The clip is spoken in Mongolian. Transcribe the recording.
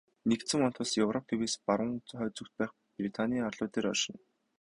Нэгдсэн вант улс Европ тивээс баруун хойд зүгт байх Британийн арлууд дээр оршино.